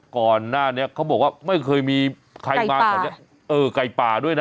ก่อนหน้านี้เขาบอกว่าไม่เคยมีใครมาแถวนี้เออไก่ป่าด้วยนะ